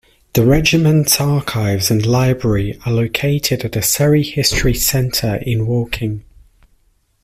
The regiment's archives and library are located at the Surrey History Centre in Woking.